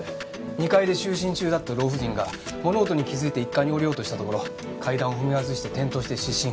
２階で就寝中だった老婦人が物音に気づいて１階に下りようとしたところ階段を踏み外して転倒して失神。